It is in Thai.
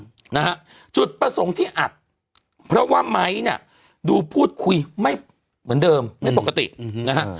นะฮะจุดประสงค์ที่อัดเพราะว่าไม้เนี่ยดูพูดคุยไม่เหมือนเดิมไม่ปกตินะฮะ